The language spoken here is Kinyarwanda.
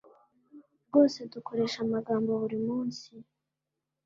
Rwose Dukoresha amagambo burimunsi